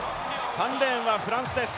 ３レーンはフランスです。